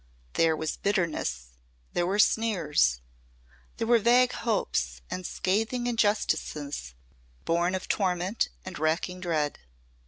There was bitterness, there were sneers, there were vague hopes and scathing injustices born of torment and racking dread.